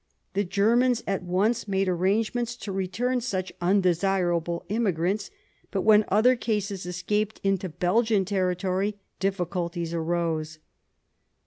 The Germans at once made arrangements to return such un desirable immigrants, but when other cases escaped into Belgian territory, difficulties arose.